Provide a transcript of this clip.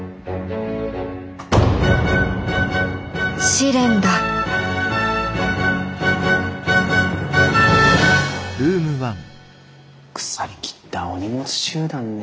試練だ腐りきったお荷物集団ね。